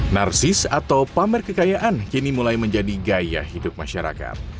narsis atau pamer kekayaan kini mulai menjadi gaya hidup masyarakat